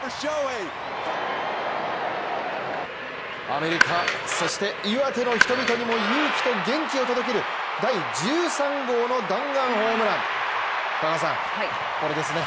アメリカ、そして岩手の人々にも勇気と元気を届ける第１３号の弾丸ホームラン、高橋さん、これですね。